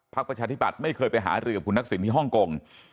ประชาธิบัติไม่เคยไปหารือกับคุณทักษิณที่ฮ่องกง